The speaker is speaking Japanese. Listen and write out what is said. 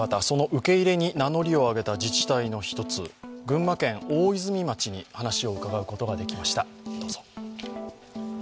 その受け入れに名乗りを上げた自治体の１つ、群馬県大泉町に話を伺うことができました。